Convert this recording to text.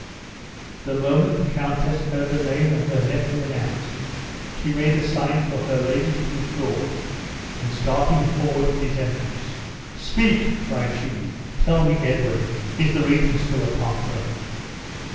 The moment the countess heard the name of her nephew announced, she made a sign for her ladies to withdraw, and starting forward at his entrance, "Speak!" cried she; "tell me, Edwin, is the regent still a conqueror?"